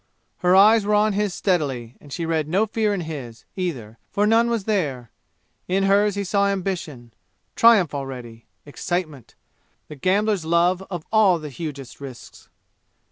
Her eyes were on his steadily, and she read no fear in his, either, for none was there. In hers he saw ambition triumph already excitement the gambler's love of all the hugest risks.